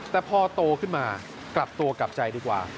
แต่พอโตขึ้นมากลับตัวกลับใจดีกว่า